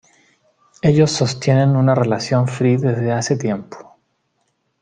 Ellos sostienen una relación free desde hace tiempo.